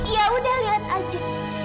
yaudah liat aja